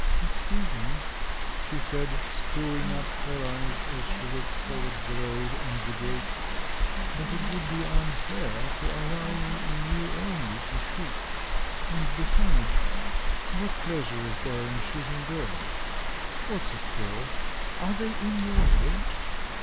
"Excuse me," she said, screwing up her eyes as she looked towards the road and the gate, "but it would be unfair to allow you only to shoot. ... And, besides, what pleasure is there in shooting birds? What's it for? Are they in your way?"